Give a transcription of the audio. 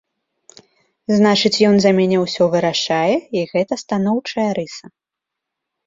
Значыць, ён за мяне ўсё вырашае, і гэта станоўчая рыса.